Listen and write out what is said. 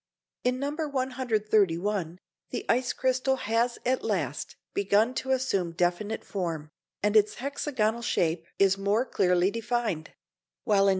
In No. 131, the ice crystal has at last begun to assume definite form, and its hexagonal shape is more clearly defined; while in No.